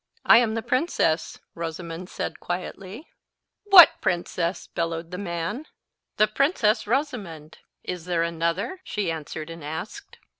"I am the princess," Rosamond said quietly. "What princess?" bellowed the man. "The princess Rosamond. Is there another?" she answered and asked.